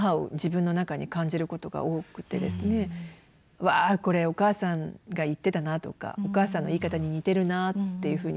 「うわこれお母さんが言ってたな」とか「お母さんの言い方に似てるな」っていうふうに思うことが多いんですね。